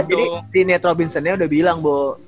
ini si net robinsonnya udah bilang